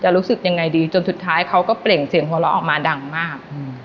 รู้สึกยังไงดีจนสุดท้ายเขาก็เปล่งเสียงหัวเราะออกมาดังมาก